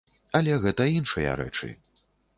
Але гэта іншыя рэчы.